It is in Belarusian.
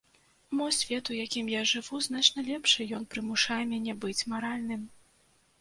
Мой свет, у якім я жыву, значна лепшы, ён прымушае мяне быць маральным.